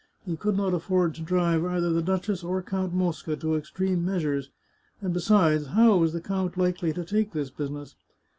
He could not afford to drive either the duchess or Count Mosca to extreme measures, and besides, how was the count likely to take this business?